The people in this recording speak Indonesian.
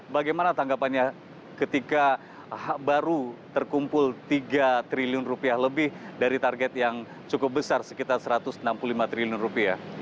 bagaimana tanggapannya ketika baru terkumpul tiga triliun rupiah lebih dari target yang cukup besar sekitar satu ratus enam puluh lima triliun rupiah